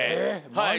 はい。